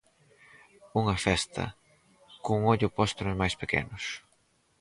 Unha festa, cun ollo posto nos máis pequenos.